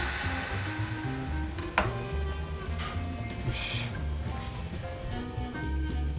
よし。